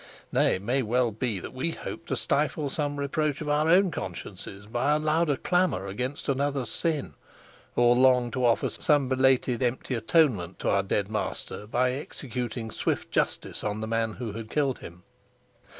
Nay, it may well be that we hoped to stifle some reproach of our own consciences by a louder clamor against another's sin, or longed to offer some belated empty atonement to our dead master by executing swift justice on the man who had killed him.